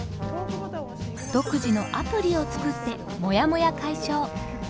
独自のアプリを作ってもやもや解消。